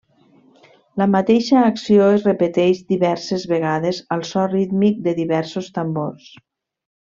La mateixa acció es repeteix diverses vegades al so rítmic de diversos tambors.